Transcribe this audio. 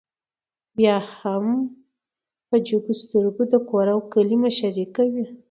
بيا هم په جګو سترګو د کور او کلي مشري کوي